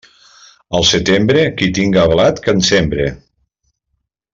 Al setembre, qui tinga blat, que en sembre.